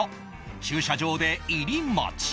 駐車場で入り待ち